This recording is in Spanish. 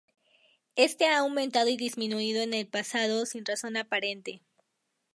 Este ha aumentado y disminuido en el pasado sin razón aparente.